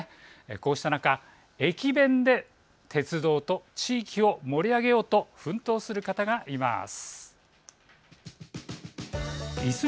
こうした中、駅弁で鉄道と地域を盛り上げようと奮闘する方がいます。